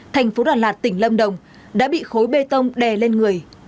thành phố đà lạt tỉnh lâm đồng đã bị khối bê tông đè lên người